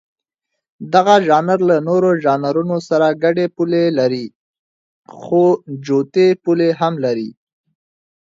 دغه ژانر له نورو ژانرونو سره ګډې پولې لري، خو جوتې پولې هم لري.